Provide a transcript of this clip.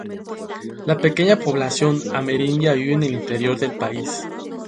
La pequeña población amerindia vive en el interior del país.